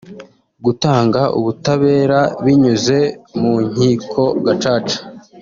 gutanga ubutabera binyuze mu nkiko Gacaca